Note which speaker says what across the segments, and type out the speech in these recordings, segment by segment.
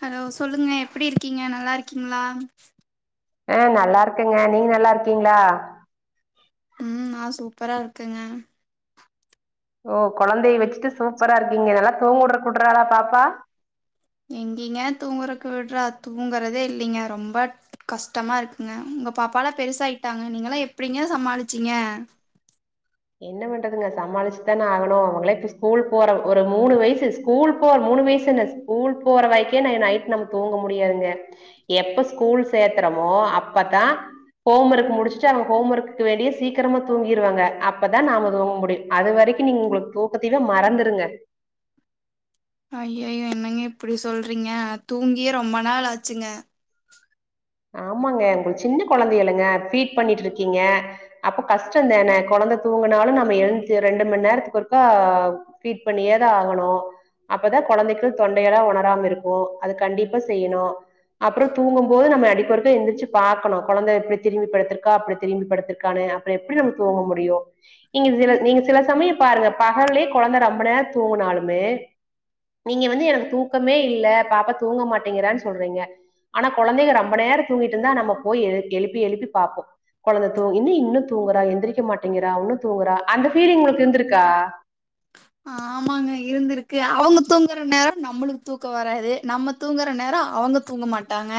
Speaker 1: hello சொல்லுங்க எப்டி இருக்கீங்க நல்லா இருக்கீங்ளா
Speaker 2: ஆ நல்லாருக்கங்க நீங்க நல்லாருக்கீங்ளா
Speaker 1: ம் நா சூப்பரா இருக்கங்க
Speaker 2: ஓ கொழந்தய வெச்சிட்டு சூப்பரா இருக்கீங்க நல்லா தூங்க உட்ர உட்றாளா பாப்பா
Speaker 1: எங்கீங்க தூங்கறக்கு விட்றா தூங்கறதே இல்லீங்க ரொம்ப கஷ்டமா இருக்குங்க உங்க பாப்பாலா பெருசாயிட்டாங்க நீங்கலா எப்டிங்க சமாளிச்சீங்க
Speaker 2: என்ன பண்றதுங்க சமாளிச்சுதான ஆகணு அவங்களே இப்ப ஸ்கூல் போற ஒரு மூணு வயசு ஸ்கூல் போற மூணு வயசு என்ன ஸ்கூல் போற வரைக்கே நா நைட் நாம தூங்க முடியாதுங்க எப்ப ஸ்கூல் சேத்தறமோ அப்பதா ஹோம் ஒர்க் முடிச்சிட்டு அவங்க ஹோம் ஒர்க்குக்கு வேண்டியே சீக்கரமா தூங்கிருவாங்க அப் அப்பதா நாம தூங்க முடியு அது வரைக்கு நீங்க உங்ளுக்கு தூக்கத்திவே மறந்துருங்க
Speaker 1: ஐயயோ என்னங்க இப்படி சொல்றீங்க தூங்கியே ரொம்ப நாள் ஆச்சுங்க
Speaker 2: ஆமாங்க உங்ளுக் சின்ன கொழந்தையள்ளங்க ஃபீட் பண்ணிட்ருக்கீங்க அப்ப கஷ்டோந்தான கொழந்த தூங்குனாலு நம்ம எழுந்து ரெண்டு மண் நேரத்துக்கொருக்கா பீட் பண்ணியேதா ஆகணு அப்பதா கொழந்தைக்கு தொண்டையெல்லா ஒணராம இருக்கு அத கண்டிப்பா செய்யணு அப்றோ தூங்கும் போது நம்ம அடிக் மறுக்கா எந்திரிச்சி பாக்கணு கொழந்த எப்படி திரும்பி படுத்துருக்கா அப்டி திரும்பி படுத்துருக்கான்னு அப்பறோ எப்படி நம்ம தூங்க முடியு நீங்க சில நீங்க சில சமயோ பாருங்க பகல்லே கொழந்த ரொம்ப நேரோ தூங்குனாலுமே நீங்க வந்து எனக்கு தூக்கமே இல்ல பாப்பா தூங்க மாட்டிங்கறான் சொல்றீங்க அனா கொழந்தைக ரம் ரொம்ப நேரோ தூங்கிட்ருந்தா நம்ம போய் எழு எழுப்பி எழுப்பி பாப்போ கொழந்த தூங் என்ன இன்னு தூங்கறா எந்திரிக்க மாட்டிங்கறா உன்னு தூங்கறா அந்த பீலிங் உங்களுக்கு இருந்துருக்கா
Speaker 1: ஆமாங்க இருந்திருக்கு அவுங்க தூங்கற நேரோ நம்மளுக்கு தூக்கோ வராது நம்ம தூங்கற நேரோ அவங்க தூங்க மாட்டாங்க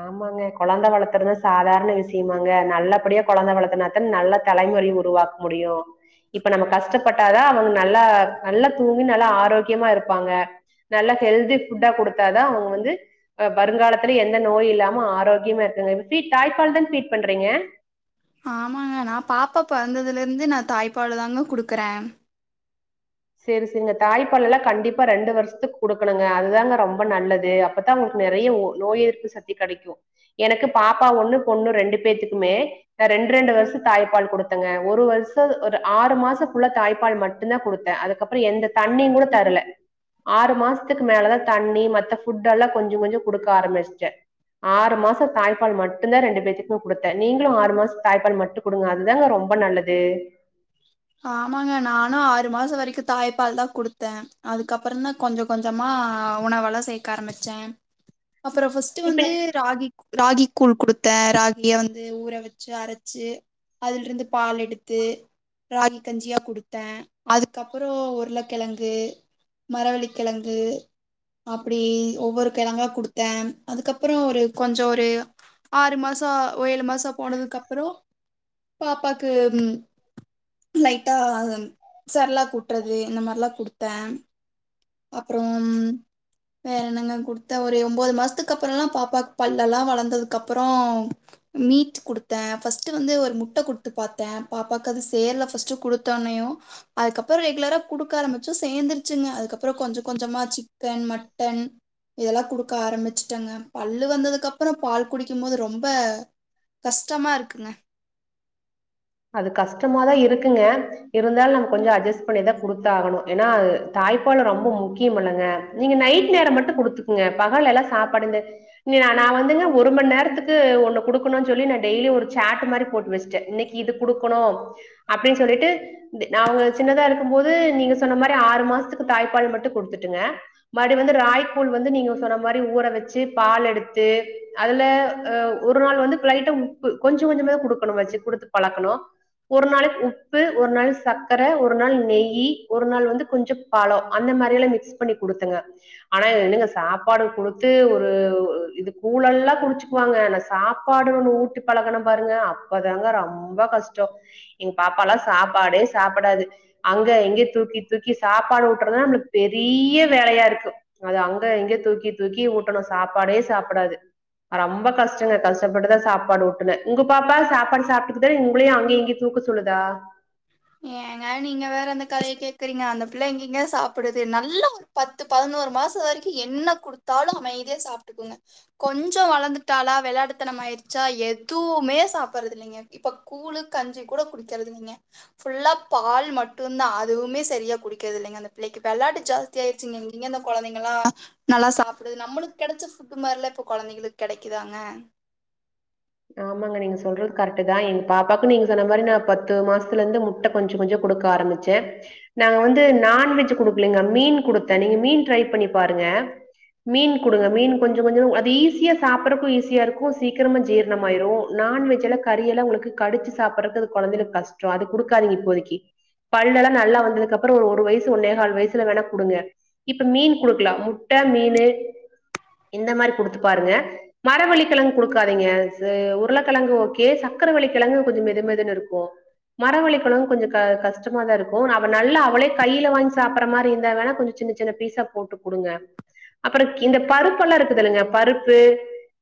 Speaker 2: ஆமாங்க கொழந்த வளத்தரது சாதாரண விசியமாங்க நல்லபடியா கொழந்த வளத்துனாத்தன் நல்ல தலைமுறை உருவாக்க முடியு இப்ப நம்ம கஷ்டப்பட்டாதா அவங்க நல்லா நல்லா தூங்கி நல்லா ஆரோக்கியமா இருப்பாங்க நல்லா ஹெல்தி ஃபுட்டா குடுத்தாதா அவங்க வந்து அ வருங்காலத்துல எந் த நோய் இல்லாம ஆரோக்கியமா இருக்கு [unintelligible] தாய்ப்பால் தான் ஃபீட் பண்றீங்க
Speaker 1: ஆமாங்க நா பாப்பா பொறந்ததுலருந்து நா தாய்ப்பாலு தாங்க குடுக்கறே
Speaker 2: சேரி சிங்க தாய்ப்பாலெல்லா கண்டிப்பா ரெண்டு வருஸ்த்துக்கு குடுக்கணுங்க அதுதாங்க ரொம்ப நல்லது அப்பதா உங்களுக்கு நறைய நோயெதிர்ப்பு சக்தி கெடைக்கு எனக்கு பாப்பா ஒண்ணு பொண்ணு ரெண்டு பேர்த்துக்குமே நா ரெண்டு ரெண்டு வருஷ தாய்ப்பால் குடுத்தங்க ஒரு வருஷ ஒரு ஆறு மாசோ ஃபுல்லா தாய்ப்பால் மட்டுந்தா குடுத் த அதுக்கப்பறோ எந்த தண்ணியூ கூட தரல ஆறு மாசத்துக்கு மேலதா தண்ணீ மத்த ஃபுட் அல்லா கொஞ்ச கொஞ்ச குடுக்க ஆரம்பிச்டே ஆறு மாசோ தாய்பால் மட்டுந்தா ரெண்டு பேர்த்துக்கு குடுத்த நீங்களு ஆறு மாசோ தாய்ப்பால் மட்டு குடுங்க அதுதாங்க ரொம்ப நல்லது
Speaker 1: ஆமாங்க நானு ஆறு மாசோ வரைக்கு தாய்பால் தா குடுத்த அதுக்கப்பறோ தா கொஞ்ச கொஞ்சமா உணவல்லா சேக்க ஆரம்பிச்ச அப்பறோ ஃபஸ் ட்டு
Speaker 2: இப்ப
Speaker 1: வந்து ராகிக் ராகி கூழ் குடுத்த ராகிய வந்து ஊற வெச்சு அரச்சு அதல்ருந்து பால் எடுத்து ராகி கஞ்சியா குடுத்த அதுக்கப்பறோ உருளக்கெழங்கு மரவள்ளிக்கெழங்கு அப்புடி ஒவ்வொரு கெழங்கா குடுத்தே அதுக்கப்பறோ ஒரு கொஞ்ச ஒரு ஆறு மசோ ஒ ஏழு மாசோ போனதுக்கப்பறோ பாப்பாக்கு லைட்டா சர்லாக் ஊட்றது இந்த மார்லா குடுத்த அப்பறோம் வேறன்னங்க குடுத்த ஒரு ஒன்பது மாஸ்த்துக் அப்பறல்லா பாப்பாக்கு பல்லல்லா வளந்ததுக் அப்பறோ மீட் குடுத்த ஃபர்ஸ்ட் வந்து ஒரு முட்ட குடுத்து பாத்த பாப்பாக்கு அது சேர்ல ஃபஸ்ட்டு குடுத்தோன்னயு அதுக்கப்பறோ ரெகுலரா குடுக்க ஆரம்பிச்சு சேந்துருச்சுங்க அதுக்கப் பறோ கொஞ்ச கொஞ்சமா சிக்கன் மட்டன் இதல்லா குடுக்க ஆரம்பிச்சுட்டங்க பல்லு வந்ததுக்கு அப்பறோ பால் குடிக்கும் போது ரொம்ப கஷ்டமா இருக்குங்க
Speaker 2: அது கஷ்ட்டமாதா இருக்குங்க இருந்தாலு நம்ம கொஞ்சோ அஜ்ஜஸ் பண்ணிதா குடுத்தாகணு ஏன்னா அது தாய்ப்பாலு ரொம்ப முக்கியமல்லங்க நீங்க நைட் நேரோ மட்டு குடுத்துக்குங்க பகல் எல்லா சாப்பாடுந்த இனி நா நா வந்துங்க ஒரு மண்நேரத்துக்கு ஒன்னு குடுக்கனு சொல்லி நா டெய்லி ஒரு சேட் மாரி போட்டு வெச்சுட்ட இன்னிக் இது குடுக்கணு அப்டின் சொல்லிட்டு இந் நா அவங்க சின்னதா இருக்கும்போது நீங்க சொன்ன மாரி ஆறு மாஸ்த்துக்கு தாய்ப்பால் மட்டு குடுத்துட்டுங்க மறுடி வந்து ராய்க்கூழ் வந்து நீங்க சொன்ன மாரி ஊற வச்சு பால் எடுத்து அதுல அ ஒரு நாள் வந்து ப்ளைட்டா உப்பு கொஞ்ச கொஞ்சம தா குடுக்கணு வச்சு குடுத்து பழக்கணு ஒரு நாளைக்கு உப்பு ஒரு நாளைக் சக்கர ஒரு நாள் நெய்யு ஒரு நாள் வந்து கொஞ்சோ பாலோ அந்த மாரியெல்லா மிக்ஸ் பண்ணி குடுத்துங்க ஆனா இது என்னங்க சாப்பாடு குடுத்து ஒரு இது கூழெல்லா குடிச்சு வாங்க ஆனா சாப்பாடுனு ஒன்னு ஊட்டி பழகுனே பாருங்க அப்பதாங்க ரொம்ப கஷ்டோ எங்க பாப்பாலா சாப்பாதே சாப்புடாது அங்க இங்க தூக்கி தூக்கி சாப்பாடு ஊட்றதுதா நம்ளுக்கு பெரிய வேலையா இருக்கு அது அங்க இங்க தூக்கி தூக்கி ஊட்டணு சாப்பாடே சாப்டாது ரொம்ப கஷ்டங்க கஷ் கஷ்டப்பட்டுதா சாப்பாடு ஊட்டுனே உங்க பாப்பா சாப்பாடு சாப்பிட்டுக்குதா உங்களையு அங்க இங்கேயு தூக்க சொல்லுதா
Speaker 1: ஏங்க நீங்க வேற அந்த கதய கேக்குறீங்க அந்த பிள்ள எங்கெங்க சாப்பிடுது நல்லா ஒர் பத்து பதினோரு மாசோ வரைக்கு என்ன குடுத்தாலு அமைதியா சாப்ட்டுக்குங்க கொஞ்சோ வளந்துட்டாலா வெள்ளாட்டு தனம் ஆயிட்ச்சா எதுவுமே சாப்பர்றது இல்லைங்க இப்ப கூழு கஞ்சி கூட குடிக்கறது இல்லைங்க ஃபுல்லா பால் மட்டுந்தா அதுவுமே சரியா குடிக்கறதில்லைங்க அந்த பிள்ளைக்கு வெள்ளாட்டு ஜாஸ் தி ஆயிடுச்சிங்க எங்க இந்த கொழந்தைங்கல்லா நல்லா சாப்டுது நம்முளுக்கு கெடைச்ச ஃபுட்டு மாரில்லா இப்ப கொழந்தைங்களுக்கு கெடைக்குதாங்க
Speaker 2: ஆமாங்க நீங்க சொல்றது கரெக்ட்டுதா எங்க பாப்பாக்கு நீங்க சொன்ன மாரி நா பத்து மாசத்துலருந்து முட்ட கொஞ்ச கொஞ்சோ குடுக்க ஆரம்பிச்சே நாங்க வந்து நான்வெஜ் குடுக்குலிங்க மீன் குடுத்தே நீங்க மீன் ட்ரை பண்ணி பாருங்க மீன் குடுங்க மீன் கொஞ்ச கொஞ்சோ அது ஈஸியா சாப்பட்றக்கு ஈஸியா இருக்கு சீக்கிரமா ஜீர மாயிரு நான்வெஜ்லா கறியெல்லா உங்குளுக்கு கடிச்சு சாப்பர்றக்கு அது கொழந்தைகளுக்கு கஷ்டோ அது குடுக்காதீங்க இப்போதைக்கு பல்லெல்லா நல்லா வந்ததுக்கு அப்றோ ஒரு ஒரு வயசு ஒன்னே கால் வயசுல வேணா குடுங்க இப்ப மீன் குடுக்லா முட்ட மீனு இந்த மாரி குடுத்து பாருங்க மரவள்ளி கெழங்கு குடுக்காதீங்க இது உருளக்கெழங்கு ஓகே சக்ரவள்ளி கெழங்கு கொஞ்சோ மெதுமெதுன்னு இருக்கு மரவள்ளி கெழங்கும் கொஞ்சோ கஷ்டமா தா இருக்கு அவ நல்லா அவளே கைல வாங்கி சாப்புர்ற மாரி இருந்தா வேணா கொஞ்சோ சின்ன சின் சின்ன பீஸா போட்டு குடுங்க அப்றோ இந்த பருப்பெல்லா இருக்குதுல்லுங்க பருப்பு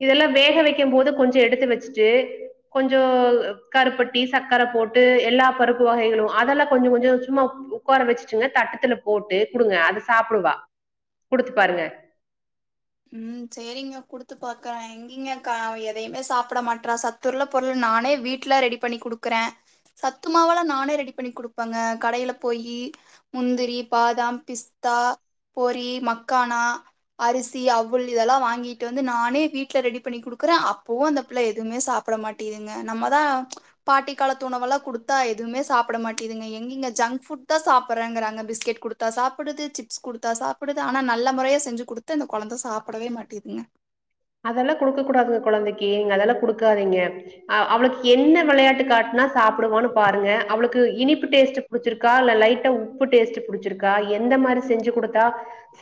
Speaker 2: இதெல்லா வேக வைக்கும் போது கொஞ்சோ எடுத்து வச்சுட்டு கொஞ்சோ கருப்பட்டி சர்க்கர போட்டு எல்லா பருப்பு வகைகளு அதெல்லா கொஞ்ச கொஞ்சோ சும்மா ஒக்கார வச்சுட்டுங்க தட்டத்துல போட்டு குடுங்க அது சாப்பிடுவா குடுத்து பாருங்க
Speaker 1: ம் சேரிங்க குடுத்து பாக்குறே இல்லிங்கக்கா அவ எதையுமே சாப்ட மாட்றா சத்துள்ள பொருள் நானே வீட்ல ரெடி பண்ணி குடுக்குறே சத்துமாவுலா நானே ரெடி பண்ணி குடுப்பங்க கடைல போயி முந்திரி பாதாம் பிஸ்தா பொரி மக்கானா அரிசி சி அவுல் இதெல்லா வாங்கிட்டு வந்து நானே வீட்ல ரெடி பண்ணி குடுக்குறே அப்பவு அந்த புள்ள எதுமே சாப் ப்பிட மாட்டிதுங்க நம்மதா பாட்டி காலத்து உணவுலா குடுத்தா எதுமே சாப்ட மாட்டிதுங்க எங்கங்க ஜங்க் ஃபுட் தா சாப்பட்றேங்குறாங்க பிஸ்கெட் குடுத் குடுத்தா சாப்டுது சிப்ஸ் குடுத்தா சாப்டுது ஆனா நல்ல முறையா செஞ்சு குடுத்து அந்த கொழந்த சாப்டவே மாட்டிதுங்க
Speaker 2: அதெல்லா குடுக்க கூடாதுங்க கொழந்தைக்கு நீங்க அதெல்லா குடுக்காதீங்க அ அவளுக்கு என்ன விளையாட்டு காட்னா சாப்டுவான்னு பாருங்க அவுளுக்கு இனிப்பு டேஸ்ட் புடிச்சிருக்கா இல்ல லைட்டா உப்பு டேஸ்ட்டு புடிச்சிருக்கா எந்த மாரி செஞ்சு குடுத்தா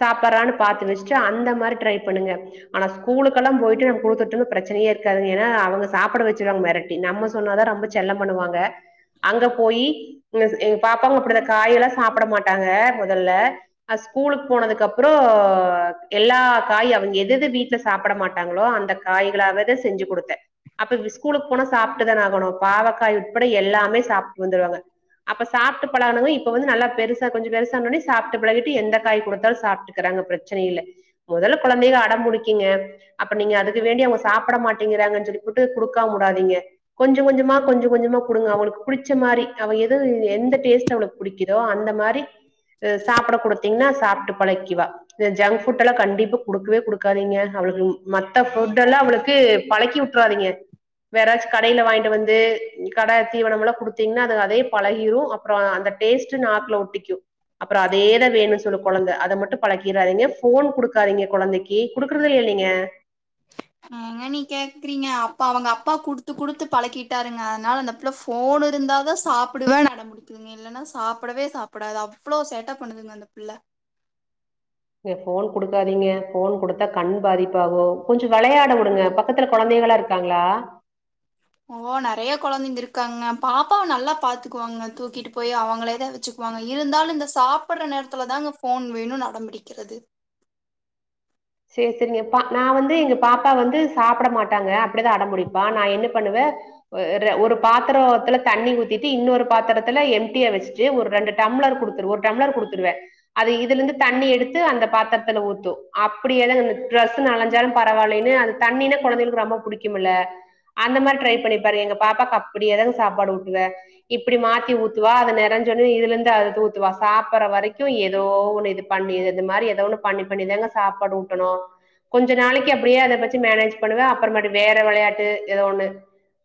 Speaker 2: சாப்பர்றான்னு பாத்து வச்சுட்டு அந்த மாரி ட்ரை பண்ணுங்க ஆனா ஸ்கூலுக்கலா போயிட்டு நம்ம குடுத்துட்டுன பிரச்சனையே இருக்காதுங்க ஏனா அவங்க சாப்ட வச்சிருவாங்க மெரட்டி நம்ம சொன்னாதா ரொம்ப செல்லம் பண்ணுவாங்க அங்க போயி [inaudible] எங்க பாப்பாவு அப்டி தா காயெல்லா சாப்ட மாட்டாங்க மொதல்ல அ ஸ்கூலுக்கு போனதுக்கப்புற எல்லா காயி அவங்க எது எது வீட் ல சாப்பட மாட்டாங்களோ அந்த காய்களாவேதா செஞ்சு குடுத்த அப்ப ஸ்கூலுக்கு போனா சாப்ட்டுதான ஆகணு பாவக்காய் உட்பட எல்லாமே சாப்ட்டு வந்துருவாங்க அப்ப சாப்ட்டு பழகுனங்க இப்ப வந்து நல்ல பெருசா கொஞ்ச பெருசானொனே சாப்ட்டு பழகிட்டு எந்த காய் குடுத்தாலு சாப்ட்டு க்றாங்க பிரச்சனையில்ல மொதல்ல கொழந்தைக அடம் புடி க்கிங்க அப்ப நீங்க அதுக்கு வேண்டி அவங்க சாப்பட மாட்டேங்கிறாங்கன் சொல்லி போட்டு குடுக்காமுடாதிங்க கொஞ்ச கொஞ்சமா கொஞ்ச கொஞ்சமா குடுங்க அவங்ளுக்கு புடிச்ச மாரி அவ எது எந்த டேஸ்ட் அவளுக் புடிக்கிதோ அந்த மாரி சாப்பட குடுத்திங்னா சாப்ட்டு பழக்கிவா இந்த ஜங்க் ஃபுட் எல்லா கண்டிப்பா குடுக்கவே குடு க்காதிங்க அவளுக்கு மத்த ஃபுட் எல்லா அவளுக்கு பழக்கி உட்றாதிங்க வேறாச்சு கடையில வாங்கிட்டு வந்து கடை தீவனமெல்லா குடுத்திங்னா அது அதே பழகிரு அப் பற அந்த டேஸ்ட்டு நாக்குல ஒட்டிக்கு அப்பற அதேதா வேணுன் சொல்லு கொழந்தை அத மட்டு பழக்கிறாதிங்க ஃபோன் குடுக்காதிங்க கொழந்தைக்கு குடுக்குறதில்லல் நீங்க
Speaker 1: ஏங்க நீ கேக்கறிங்க அப்ப அவங்க அப்பா குடுத்து குடுத்து பழக்கிட்டாருங்க அதனால அந்த புள்ள ஃபோன் இருந்தாதா சாப்புடுவேன் அடம் புடிக்குது இல்லன்னா சாப்படவே சாப்படாது அவ்ளோ சேட்ட பண்ணுதுங்க அந்த புள்ள
Speaker 2: ஃபோன் கொடுக்காதிங்க ஃபோன் குடுத்தா கண் பாதிப்பாகு கொஞ்ச வெளயாட உடுங்க பக்கத்துல கொழந்தைகளா இரு க்காங்ளா
Speaker 1: ஓ நெறைய கொழந்தைங்க இருக்காங்க பாப்பாவ நல்லா பாத்துக்குவாங்க தூக்கிட்டு போய் அவங்களேதா வெச்சு க்வாங்க இருந்தாலு இந்த சாப்படற நேரத்துலதாங்க ஃபோன் வேணுனு அடம்பிடிக்கிறது
Speaker 2: சேர் செரிங்க பா நா வந்து எங்க பாப்பா வந்து சாப்பட மாட்டாங்க அப்படிதா அடம் புடிப்பா நா என்ன பண்ணுவ ஒரு பாத்திரத்துல தண்ணி ஊத்திட்டு இன்னொரு பாத்திரத்துல எம்டியா வெச்சுட் டு ஒரு ரெண்டு டம்ளர் குடுத்துரு ஒரு டம்ளர் குடுத்துருவ அது இதுல இருந்து தண்ணி எடுத்து அந்த பாத்திரத்துல ஊத்து அப் படியேதா இந்த ட்ரெஸ் நலஞ்சாலு பரவாலைனு அது தண்ணினா கொழந்தைகளுக்கு ரொம்ப புடிக்குமல்ல அந்த மாரி ட்ரை பண்ணிப்பாருங்க எங்க பாப்பாக்கு அப்படியே தாங்க சாப்பாடு ஊட்டுவே இப்படி மாத்தி ஊத்துவா அது நெறைஞ்சோன்னயு இதுல இருந்து அதுக் ஊத்துவா சாப்படுற வரைக்கு ஏதோ ஒண்ணு இது பண்ணி இது மாரி ஏதோ ஒண்ணு பண்ணி பண்ணிதாங்க சாப்பாடு ஊட்டணு கொஞ்ச நாளைக்கு அப்டியே அத வெச்சி மேனேஜ் பண்ணுவே அப்ற மறுவுடி வேற வெளையாட்டு எதோ ஒண்ணு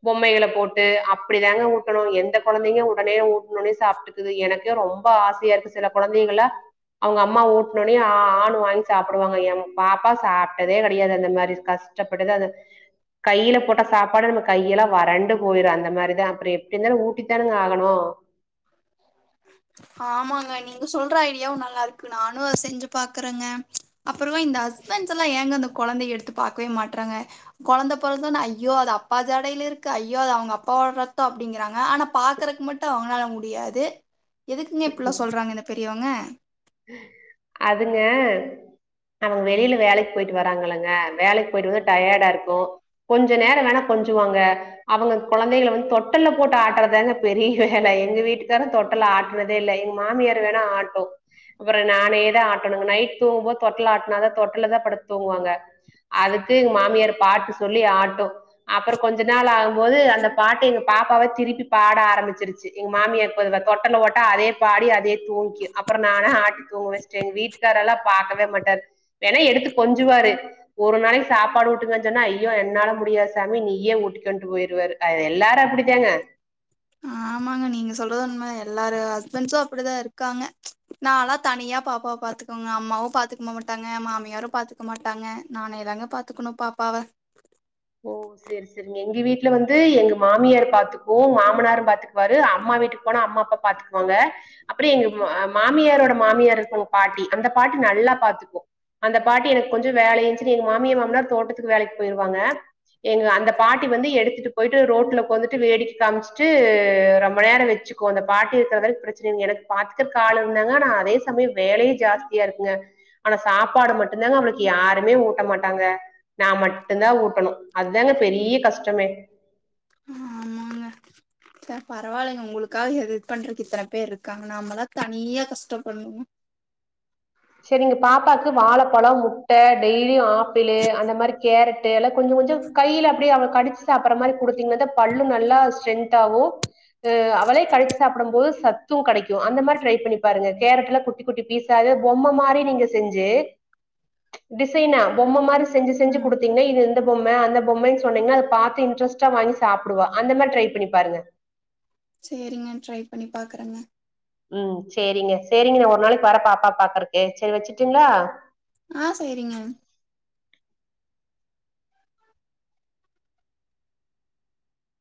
Speaker 2: பொம்மைகள போட்டு அப்படிதாங்க ஊட்டணு எந்த கொழந்தைங்க உடனே ஊட்னொனே சாப் டுது எனக்கே ரொம்ப ஆசையா இருக்கு சில கொழந்தைங்கல்லா அவங்க அம்மா ஊட்னொனே ஆ ஆனு வாங்கி சாப்புடுவாங்க எம் பாப்பா சாப்ட்டதே கெடையாது அந்த மாரி கஷ்டப் பட்டுதா அது கையில போட்டா சாப்பாடு நம்ம கையெல்லா வறண்டு போயிரு அந்த மாரிதா அப்பற எப்டி இருந்தாலு ஊட்டித்தானுங்க ஆகணு
Speaker 1: ஆமாங்க நீங்க சொல்ற ஐடியாவு நல்லாருக்கு நானு அத செஞ்சு பாக்குறங்க அப்புறமா இந்த ஹஸ்பண்ட்ஸ் எல்லா ஏங்க அந்த கொழந்தைய எடுத்து பாக்கவே மாட்றாங்க கொழந்த பொறந்தொன ஐயோ அது அப்பா ஜாடைல இருக்கு ஐயோ அது அவங்க அப்பாவோட ரத்த அப்டிங்கறாங்க ஆனா பாக்குறக்கு மட் டு அவங்களால முடியாது எதுக்குங்க இப்படிலா சொல்றாங்க இந்த பெரியவங்க
Speaker 2: அதுங்க அவங்க வெளியில வேலைக்கு போயிட்டு வராங்கல்லங்க வேலைக்கு போயிட்டு வந்து டயர்டா இருக்கு கொஞ்ச நேர வேணா கொஞ்சுவாங்க அவங்க கொழந்தைகள வந்து தொட்டல்ல போட்டு ஆட்டறதாங்க பெரிய வேல எங்க வீட்டுக்காரு தொட் டல்ல ஆட்னதே இல்ல எங்க மாமியார் வேணா ஆட்டு அப்பற நானேதா ஆட்டணுங்க நைட் தூங்கும்போது தொட்டல் ஆட்னாதா தொட்டல்லதா படுத்து தூங்குவாங்க அதுக்கு எங்க மாமியார் பாட்டு சொல்லி ஆட்டும் அப்பற கொஞ்ச நாள் ஆகும்போது அந்த பாட்டி எங்க பாப்பாவே திருப்பி பாட ஆரம்பிச்சிருச் ச்சி எங்க மாமிய தொட்டல போட்டா அதே பாடி அதே தூங்கி அப் அப்புற நானா ஆட்டி தூங்க வச்சட்டேன் வீட்டுக்காரெல்லா பாகக்கவே மாட்டாரு வேணா எடுத்து கொஞ்சுவாரு ஒரு நாளைக் சாப்பாடு ஊட்டுங்கன் சொன்னா ஐயோ என்னால முடியாது சாமி நீயே ஊட்டிக்கொண்டு போய்டுவாரு அ எல்லாரு அப்படித்தாங்க
Speaker 1: ஆமாங்க நீங்க சொல்றது உண்மைதா எல்லாரு ஹஸ்பண்ட்ஸும் அப்படிதாருக்காங்க நால்லா தனியா பாப்பாவ பாத்துக்கனுங்க அம்மாவும் பாத்துக்க மாட்டாங்க மாமியாரும் பாத்துக்க மாட்டாங்க நானே தாங்க பாத் துக்கணும் பாப்பாவ
Speaker 2: ஓ செரி ஸ் சரிங்க எங்க எங்க வீட்ல வந்து எங்க மாமியார் பாத்துக்கும் மாமனாரு பாத்துக்குவாரு அம்மா வீட்டுக்கு போனா அம்மா அப்பா பாத்துக் கோங்க அப்புற எங்க மாமியாரோட மாமியார் இருக்கங்க பாட்டி அந்த பாட்டி நல்லா பாத்துக்கும் அந்த பாட்டி எனக்கு கொஞ்ச வேலச்சுட்டு எங்க மாமியார் மாமனார் தோட்டத்துக்கு வேலைக் போயிருவாங்க எங்க அந்த பாட்டி வந்து எடுத்துட்டு போயிட்டு ரோட்டுல ஒக்காந்துட்டு வேடிக்கை காமிச்சுட்டு ரொம்ப நேர வச்சு கோள அந்த பாட்டி இருக்கறனால பிரச்சன இல்லங்க எனக்கு பாத்துக்கறக்கு ஆளுருந்தாங்க ஆனா அதே சமயம் வேலையு ஜாஸ்தியாருக்குங்க ஆனா சாப்பாடு மட்டும்தாங்க அவளுக்கு யாருமே ஊட்ட மாட்டாங்க நா மட்டும் தான் ஊட்டணும் அதங்க பெரிய கஷ்டமே
Speaker 1: ஆமாங்க ச பரவாலங்க ஒங்களுக்காக ஹெல்ப் பண்றதுக் இத்தன பேர் இருக்காங்க நாம்மளா தனியா கஷ்ட பண்ணு
Speaker 2: சரிங்க பாப்பாக்கு வாழப்பழோம் முட்ட டெய்லியும் ஆப்பிளு அந்த மாரி கேர தேல கொஞ்ச கொஞ்சோ கையில அப்டியே அவ கடிச்சு சாப்பற மாரி குடுத்தீங்கனதா பல்லு நல்லா ஸ்ட்ரென்த் ஆகும் சு அவளே கடிச் சாப்படும் போது சத்தும் கடைக்கும் அந்த மார் ட்ரை பண்ணி பாருங்க கேரடெல்லா குட்டி குட்டி பீசாது பொம்ம மாரி நீங்க செஞ்சு டிசைன்னா பொம்ம மார் செஞ்சு செஞ்சு
Speaker 1: ம்
Speaker 2: குடுத்தீங்கனா இது இந்த பொம் ம அந்த பொம்மன் சொன்னீங்கன்னா பாத்து இன்டரெஸ்டா வாங்கி சாப்டுா அந்த மாரி ட்ரை பண்ணி பாருங்க
Speaker 1: சேரிங்க ட்ரை பண்ணி பாக்குறங்க
Speaker 2: உம் சேரிங்க சேரிங்க நா ஒரு நாள்க் வர பாப்பா பாக்குறக்கு சேர் வச்சுட்டீங்களா
Speaker 1: ஆ சேரிங்க